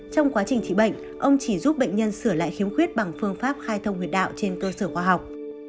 trong quá trình trị bệnh ông chỉ giúp bệnh nhân sửa lại khiếm khuyết bằng phương pháp khai thông huyết đạo trên cơ sở khoa học